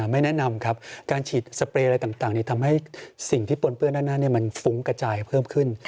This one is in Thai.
ไม่แนะนำครับการฉีดสเปรย์อะไรต่างทำให้สิ่งที่ปนเปื้อนด้านหน้ามันฟุ้งกระจายเพิ่มขึ้น